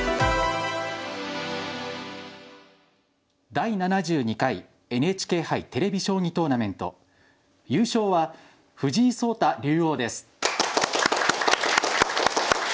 第７２回ＮＨＫ杯テレビ将棋トーナメント優勝は藤井聡太竜王です。